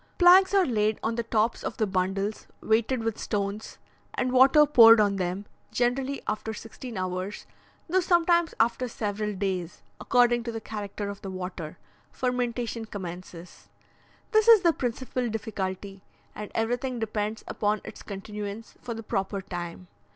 Planks are laid on the tops of the bundles weighted with stones, and water poured on them; generally after sixteen hours, though sometimes after several days, according to the character of the water, fermentation commences. This is the principal difficulty, and everything depends upon its continuance for the proper time.